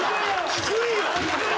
低いよ！